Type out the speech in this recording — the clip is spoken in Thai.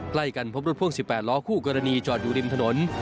ใกล้กันพบรถพ่วง๑๘ล้อคู่กรณีจอดอยู่ริมถนน